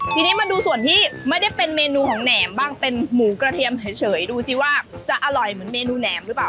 ทีนี้มาดูส่วนที่ไม่ได้เป็นเมนูของแหนมบ้างเป็นหมูกระเทียมเฉยดูสิว่าจะอร่อยเหมือนเมนูแหนมหรือเปล่า